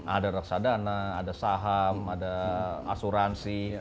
ada reksadana ada saham ada asuransi